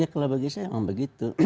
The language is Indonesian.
ya kalau bagi saya memang begitu